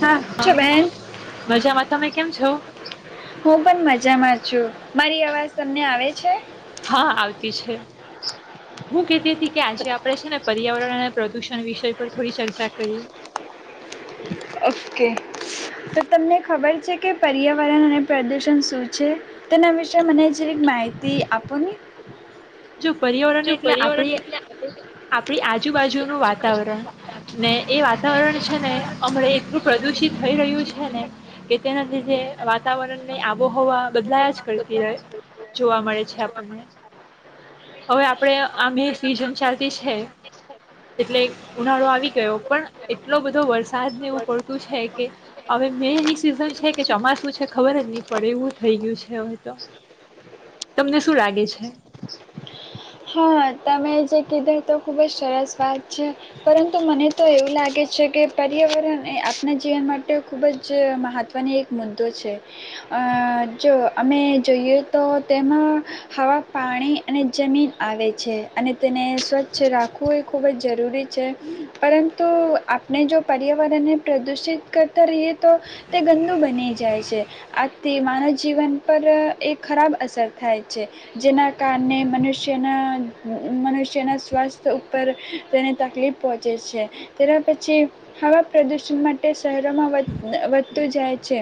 હા છો બેન મજામાં તમે કેમ છો હું પણ મજા. જમા છું મારી અવાજ તમને આવે છે. હા આવતી છે હું કેતી હતી કે આજે આ આપરે છે ને પર્યાવરણ અને પ્રદૂષણ વિષય પર થોડી ચર્ચા કરીએ. ઓકે તો તમને ખબર છે કે પર્યાવરણ અને પ્રદુષણ શું છે તેના વિશે મને ઝેરીક માહિતી આપો ને. જો પર્યાવરણ એટલે આપડી આપણી આજુબાજુનું વાતાવરણ ને એ વાતાવરણ છે ને હમણે એટલું પ્રદુષિત થઈ રહ્યું છે ને કે તેના લીધે વાતાવરણ ની આબોહવા બદલાયા જ. કરતી રહે જોવા મળે છે આપ હવે આપડે આમે સીઝન ચાલતી છે. એટલે ઉનાળો આવી ગયો પણ એટલો બધો વરસાદને એવું પડતું છે કે હવે મેની સિઝન છે કે ચોમાસું છે ખબર જ નહી પડે એવું થઈ ગયું છે હવે તો તમને શું લાગે છે? હા, તમે જે કીધું તો ખૂબ જ સરસ વાત છે પરંતુ મને તો એવું લાગે છે કે પર્યાવરણ એ આપણા જીવન માટે ખૂબ જ મહત્ત્વની એક મુદ્દો છે અ જો અમે જોઈએ તો તેમાં હવા, પાણી અને જમીન. આવે છે અને તેને સ્વચ્છ રાખવું એ ખૂબ જ જરૂરી છે પરંતુ આપણે જો પર્યાવરણને પ્રદૂષિત કરતા રહીએ તો તે ગંદુ બની જાય છે આથી માનવ જીવન પર એ ખરાબ અસર થાય છે જેના કારણે મનુષ્ જેના મનુષ્યના સ્વાસ્થ્ય ઉપર તેને તકલીફ પહોંચે છે તેના પછી હવા પ્રદૂષણ માટે શહેરોમાં વધતું જાય છે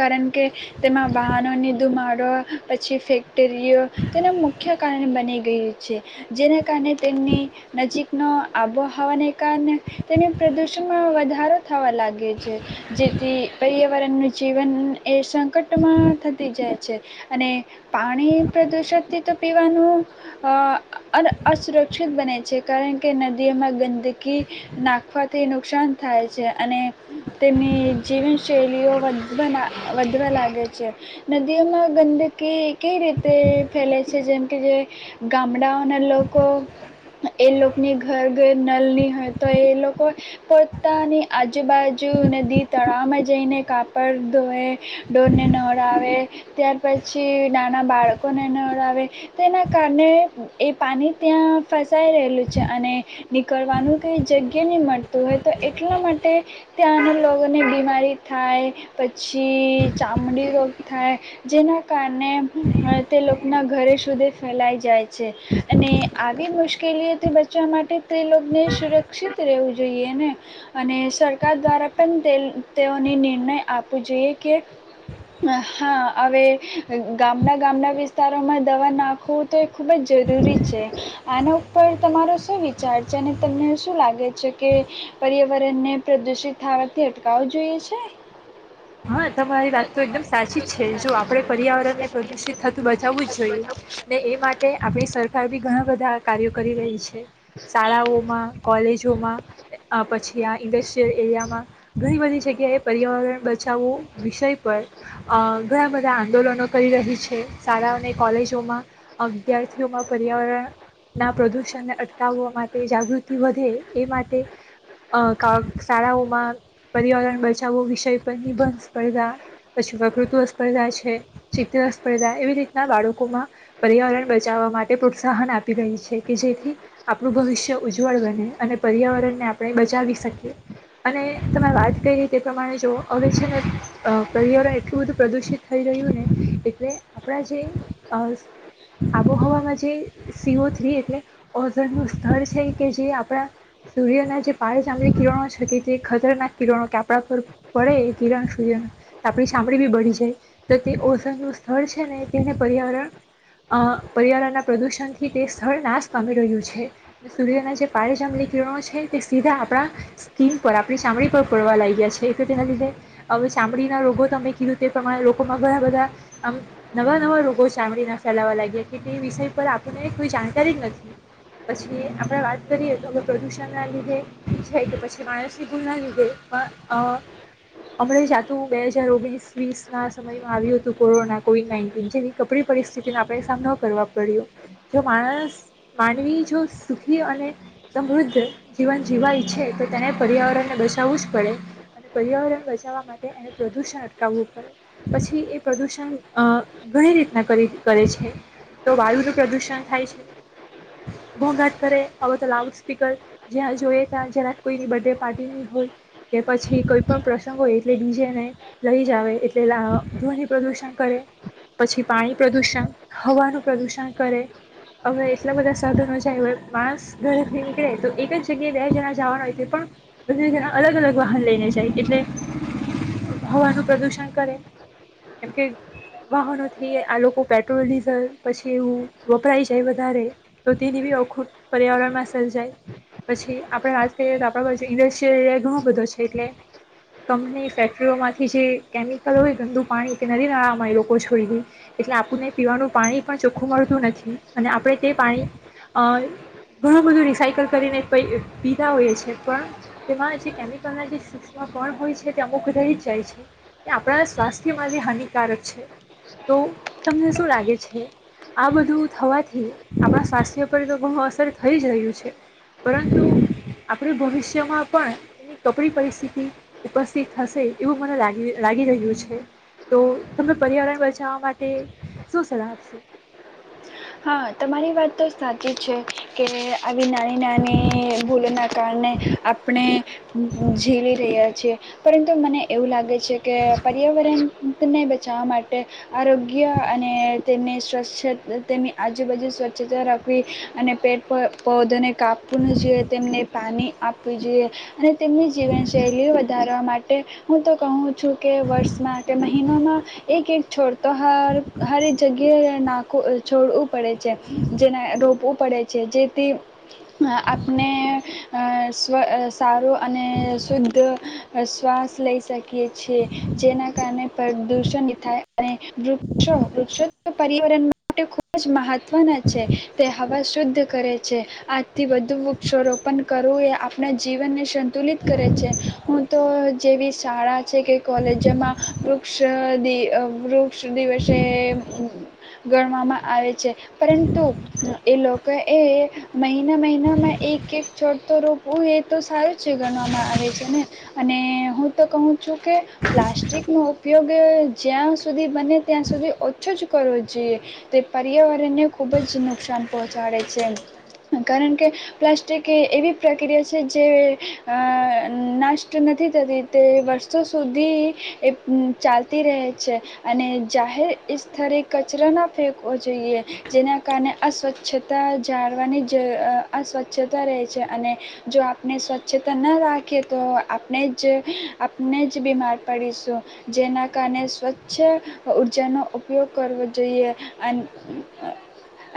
કારણ કે તેમાં વાહનોની ધુમાડો પછી ફેક્ટરીઓ તેના મુખ્ય કારણે બની ગયું છે જેના કારણે તેમની નજીકનો આબોહવાને કારણે તેને પ્રદૂષણમાં વધારો થવા લાગે છે જેથી પર્યાવરણનું જીવન એ સંકટમાં થતી જાય છે અને પાણી પ્રદૂષણથી તો. પીવાનું અ અ અસુરક્ષિત બને છે કારણ કે નદીઓમાં ગંદકી નાખવાથી નુકસાન થાય છે અને. તેમ્ની જીવન ચેલીઓ વધવના વધવા લાગે છે. નદીઓમાં ગંદકી કઈ રીતે ફેલે? છે જેમ કે જે ગામડાઓના લોકો એ લોકની ઘર ઘ નાલ્લી હોય તો એ લોકો પોતાની આજુબાજુ નદી તળાવમાં જઈને કાપડ ધોવે, ઢોરને નવરાવે ત્યાર પછી નાના બાળકોને નવરા વે તેના કારણે એ પાણી ત્યાં ફસાઈ રહેલું છે. અને નીકળવાનું કંઈ જગ્યા નહીં મળ તું હોય તો એટલા માટે ત્યાંના લોકોને બીમારી થાય. પછી ચામડી રોગ થાય જેના કારણે તે લોકોના ઘરે સુધે ફેલાઈ જાય. છે. અને આવી મુશ કેલીઓથી બચવા માટે તેને લોકને સુરક્ષિત રહેવું જોઈએ ને અને સરકાર દ્વારા પણ તેલ તેઓને નિર્ણય આપવો જોઈએ કે હા હવે ગામના ગામના વિસ્તાર માં દવા નાખો. તો એ ખૂબ જ જરૂરી છે. આના ઉપર તમારો શું વિચાર છે? અને તમને શું લાગે છે કે પર્યાવરણને પ્રદુષિત થાવાથી અટકાવું જોઈએ છે? હા તમારી વાત તો એકદમ સાચી જ છે. જો આપડે પર્યાવરણ ને પ્રદુષિત થતું બચાવુ જ જોઈએ ને એ માટે આપણી સરકાર બી ઘણા બધા કાર્યો કરી રહી છે. શાળાઓમાં કોલ કોલેજોમાં અ-પછી આ ઇન્ડસ્ટ્રીયલ એરિયામાં ઘણી બધી જગ્યાએ પર્યાવરણ બ ચાવો વિષય પર અ ઘણા બધા આંદોલનો કરી રહી છે. શાળાઓ અને કોલેજોમાં વિદ્યાર્થીઓમાં પર્યાવરણ ના પ્રદુષણને અટકાવવા માટે જાગૃતિ વધે એ માટે અ શાળાઓમાં પર્યાવરણ બચાવો વિષય [unintelligible] નિબંધ સ્પર્ધા પછી, પ્રકૃતિવ સ્પર્ધા છે. ચિત્ર સ્પર્ધા એવી રીતના બાળકોમાં પર્યાવરણ બચાવવા માટે પ્રોત્સાહન આપી રહી છે કે જેથી આપણું ભવિષ્ય ઉજ્જવળ બને અને પર્યાવરણને આપણે બચાવી શકીએ. અને તમે વાત કરી તે પ્રમાણે જો અવે છે ને અ પર્યાવરણ એટલું બધું પ્રદુષિત થઈ રહ્યું ને એટલે આપણા જે અસ આબોહવામાં જે સી ઓ થ્રી એટલે ઓઝણનું સ્થળ છે કે જે આપણા સૂર્યના જે પાાર જામલી કિરણો છે કે તે ખતરનાક કિરણો કે આપણા પર પડે એ કિરણ સૂર્યના તો આપણી ચામડી બી બળી જાય તો તે ઓઝનનું સ્થળ છે ને તેને પર્યાવરણ અ પર્યાવરણના પ્રદૂષણથી તે સ્થળ નાશ પામી રહ્યું છે. સૂર્યના જે પાળેજામલી કિરણો છે તે સીધા આપણા સ્કીન પર આપણી ચામડી પર પડવા લાગ્યા છે. તો તેના લીધે હવે ચામડીના રોગો તમે કીધું તે પ્રમાણે લોકોમાં ઘણા બધા આમ નવા નવા રોગો ચામડીના ફેલાવવા લાગ્યા કે તે વિષય પર આપણને કોઈ જાણકારી જ નથી. પછી આપણે વાત કરીએ તો હવે પ્રદૂષણના લીધે છે કે પછી માણસની ભૂલના લીધે પણ અ [unintelligible] જાતું બે હજાર ઓગણીસ વીસ ના સમયમાં આવ્યું હતું કોરોના કોવિડ નાઈન્ટિન જેવી કપરી પરિસ્થિતિને આપણે સામનો કરવા પડ્યો. જો માણસ માનવી જો સુખી અને સમૃદ્ધ જીવન જીવવા ઈચ્છે તો તેને પર્યાવરણને બચાવવું જ પડે અને પર્યાવરણ બચાવવા માટે એને પ્રદુષણ અટકાવવું પડે. પછી એ પ્રદૂષણ અ ઘણી રીતના કરે છે. તો વાયુનું પ્રદુષણ થાય છે. ઘોઘાટ કરે હવે તો લાઉડ સ્પીકર જ્યાં જોઈએ ત્યાં જરાક કોઈની બડ્ડડે પાર્ટી હોય કે પછી કોઈ પણ પ્રસંગ હોય એટલે ડીજે ને લઈ જાવ એટલે ધોની પ્રદુષણ કરે. પછી પાણી પ્રદુષણ, હવાનું પ્રદુષણ કરે. અવે એટલા બધા સાધનો જાય હોય માણસ ઘરેથી નીકળે તો એક જ જગ્યાએ બે જણા જવાના હોય તે પણ બન્ને જણા અલગ અલગ વાહન લઈને જાય એટલે હવાનું પ્રદુષણ કરે કેમકે વાહનોથી આ લોકો પેટ્રોલ ડીઝલ પછી એવું વપરાઈ જાય વધારે તો તેની બી અખૂટ પર્યાવરણમાં સર્જાય પછી આપડે વાત કરીએ તો આપડા બાજુ ઇન્ડસ્ટ્રીયલ એરીયા ઘણો બધો છે એટલે કંપની ફેક્ટરીઓમાંથી જે કેમિકલ હોય ગંદુ પાણી કે નદી નાળામાં એ લોકો છોડી દે એટલે આપણને પીવાનું પાણી પણ ચોખ્ખું મળતું નથી અને આપણે તે પાણી અ ઘણું બધું રિસાયકલ કરીને પીતા હોઈએ છે પણ તેમાં જે કેમિકલના જે માં કોણ હોય છે તે અમુક રઈ જ જાય છે તે આપણા સ્વાસ્થ્યમાંથી હાનિકારક છે તો તમને ું લાગે છે આ બધું થવાથી આપણા સ્વાસ્થ્ય પર તો ઘણું અસર થઈ જ રહ્યું છે પરંતુ આપણે ભવિષ્યમાં પણ એની કપડી પરિસ્થિતિ ઉપસ્થિત થશે એવું મને લાગી રહ્યું છે તો તમે પર્યાવરણ બચાવવા માટે શું સલાહ આપશો હા તમારી વાત તો સાચી છે કે આવી નાની નાની ભૂલોના કારણે આપણે ઝીલી રહ્યા છીએ પરંતુ મને એવું લાગે છે કે પર્યાવરણને બચાવવા માટે આરોગ્ય અને તેમની સ્વચ્છ તેની આજુબાજુ સ્વચ્છતા રાખવી અને પેટ પૌધોને કાપવુંનું જોઈએ તેમને પાણી આપવી જોઈએ અને તેમની જીવનશૈલી વધારે કરવા માટે હું તો કહું છું કે વર્ષમાં કે મહિનોમાં એક એક છોડ ત્યોહાર દરેક જગ્યા ના કો છોડું પડે છે જેના રોપો. પડે છે જે તે. અ આપણે. અ સારો અને શુદ્ધ શ્વાસ લઈ શકીએ છીએ જેના કારણે પ્રદુષણ થાય અને વૃક્ષો વૃક્ષો પર્યાવરણ. માટે ખૂબ જ મહત્વના છે તે હવા શુદ્ધ કરે છે આજથી વધુ વૃક્ષ રોપણ કરવું એ આપણા જીવનને સંતુલિત કરે છે હું તો જેવી શાળા છે કે કોલેજમાં વૃક્ષ વૃક્ષ દિવસે. ગણવામાં આવે છે પરંતુ એ લોકો એ મહિના મહિનામાં એક એક છોડતો રોપવું એ તો સારું છે ગણવામાં આવે છે ને અને હું તો કહું છું. કે પ્લાસ્ટિક નો ઉપયોગ. ગ જ્યાં સુધી બને ત્યાં સુધી ઓછો જ કરો. તે પર્યાવરણને ખૂબ જ નુકસાન પહોંચાડે છે કારણ કે પ્લાસ્ટિક એ એવી પ્રક્રિયા છે જે નાષ્ટ નથી થતી તે વર્ષો સુધી ચાલતી રહે છે અને જાહેર ઈતરે. કચરો ન ફેંકવો જોઈએ જેના કારણે અસ્વચ્છતા જાળવાની જ અસ્વચ્છતા રહે છે અને જો આપણે સ્વચ્છતા ન રાખીએ તો આપણે જ આપણે જ બીમાર પડીશું જેના કારણે સ્વચ્છ ઉઊર્જાનો ઉપયોગ. કરવો જોઈએ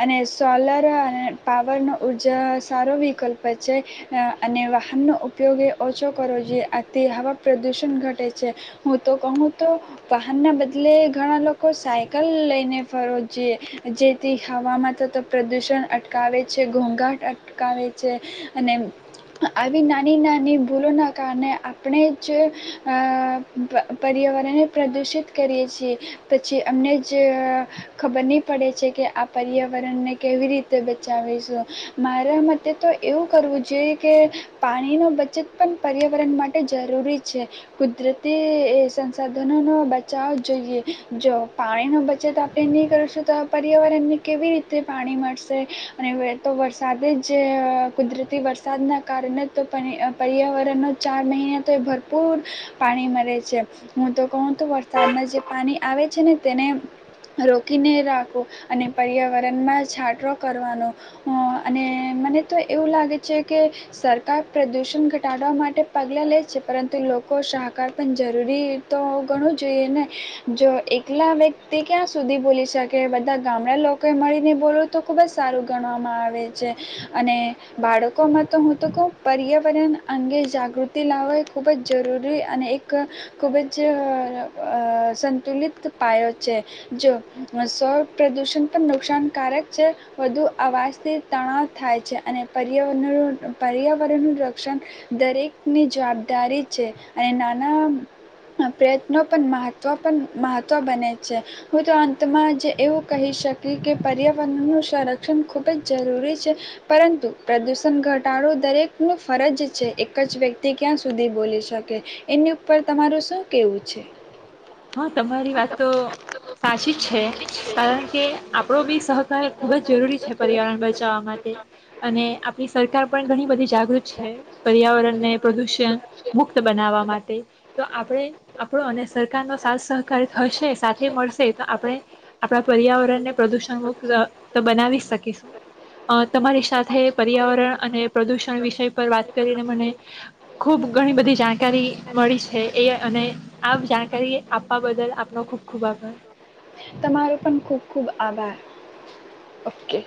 અને સોલર અને પાવરનો ઉર્જા સારો વિકલ્પ છે અને વાહનનો ઉપયોગ એ ઓછો કરવો જોઈએ આથી હવા પ્રદુષણ ઘટે છે હું તો કહું તો વાહનના બદલે ઘણા લોકો સાય. કલ લઈને ફરઈએ જેથી હવામાં થ તો પ્રદૂષણ અટકાવે છે ઘોંઘાટ અટકાવે છે અને આવી નાની નાની ભૂલોના કારણે આપણે જ પર્યાવરણને પ્રદૂષિત કરીએ છીએ પછી. અમને જ ખબર નહીં પડે છે કે આ પર્યાવરણને કેવી રીતે બચાવીશું મારા મતે તો એવું કરવું જોઈએ કે પાણીનો બચત પણ પર્યાવરણ માટે જરૂરી છે કુદરતી સંસાધનોનો બચાવ જોઈએ જો. પાણીનો બચત આપણે નહીં કરશું તો પર્યાવરણને કેવી રીતે પાણી મળશે અને તો વરસાદે જ કુદરતી વરસાદના કારણે તો પર્યાવરણનો ચાર મહિના તો એ ભરપૂર પાણી મળે છે હું તો કહું તો વરસાદના જે પાણી આવે છે ને. તેને રોકીને રાખું અને પર્યાવરણમાં છાંટો કરવાનો અને મને તો એવું લાગે છે કે સરકાર પ્રદૂષણ ઘટાડવા માટે પગલાં લે છે પરંતુ લોકો સહકાર પણ જરૂરી તો ઘણું જોઈએ ને જો એક. કેલા વ્યક્તિ ક્યાં સુધી બોલી શકે બધા ગામડા લોકોએ મળીને બોલવું તો ખૂબ જ સારું ગણવામાં આવે છે અને બાળકોમાં તો હું તો કહું પર્યાવરણ અંગે જાગૃતિ લાવવા એ ખૂબ જ જરૂરી અને એક ખૂબ જ સંતુલિત. જો સ્વ પ્રદુષણ પણ નુકસાનકારક છે વધુ અવાજથી તણાવ થાય છે અને પર પર્યાવરણ ન રક્ષણ દરેકની જવાબદારી છે અને નાના પ્રયત્નો પણ મહત્વ પણ મહ. બને છે હું તો અંતમાં જ એવું કહી શકી કે પર્યાવરણનું સંરક્ષણ ખુબ જ જરૂરી છે પરંતુ પ્રદુષણ ઘટાડો દરેક ન ફરજ છે એક જ વ્યક્તિ ક્યાં સુધી બોલી શકે એની ઉપર તમારું શું કેવું છે. હા. તમારી વાત તો સાચી જ છે કારણ કે આપણો બી સહકાર ખૂબ જ જરૂરી છે પર્યાવરણ બચાવવા માટે અને આપણી સરકાર પણ ઘણી બધી જાગૃત છે પર્યાવરણને પ્રદૂષણ મુક્ત બનાવવા માટે તો આપણે આપણો અને સરકારનો. સહકાર થશે સાથે મળશે તો આપણે આપણા પર્યાવરણને પ્રદુષણ મુક્ત તો બનાવી શકીશું અ તમારી સાથે પર્યાવરણ અને પ્રદુષણ વિષ પર વાત કરીને મને. ખુબ ઘણી બધી જાણકારી મળી છે એ અને આ જાણકારી. આપવા બદલ આપનો ખુબ ખુબ આભાર. તમારો પણ ખૂબ ખૂબ આભાર ઓકે.